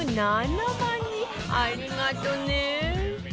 ありがとうね！